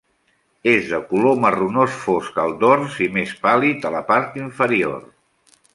És de color marronós fosc al dors i més pàl·lid a la part inferior.